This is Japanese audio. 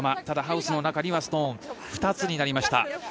ただ、ハウスの中にはストーン２つになりました。